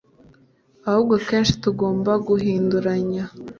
ahubwo akenshi tugomba guhinduranya